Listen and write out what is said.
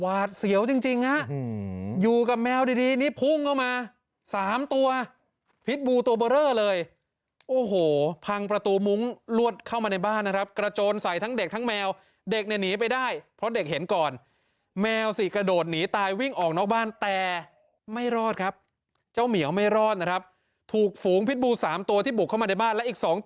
หวาดเสียวจริงฮะอยู่กับแมวดีนี่พุ่งเข้ามา๓ตัวพิษบูตัวเบอร์เรอเลยโอ้โหพังประตูมุ้งลวดเข้ามาในบ้านนะครับกระโจนใส่ทั้งเด็กทั้งแมวเด็กเนี่ยหนีไปได้เพราะเด็กเห็นก่อนแมวสิกระโดดหนีตายวิ่งออกนอกบ้านแต่ไม่รอดครับเจ้าเหมียวไม่รอดนะครับถูกฝูงพิษบู๓ตัวที่บุกเข้ามาในบ้านและอีก๒ตัว